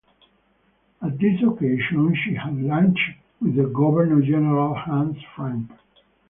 At this occasion she had lunch with the Governor General Hans Frank.